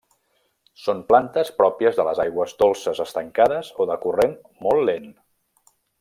Són plantes pròpies de les aigües dolces estancades o de corrent molt lent.